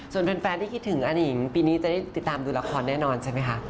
ส่วนแฟนที่คิดถึงอนิงปีนี้จะได้ติดตามดูละครแน่นอนใช่ไหมคะ